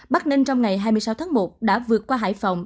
bắc ninh trong ngày hai mươi sáu tháng một đã vượt qua hải phòng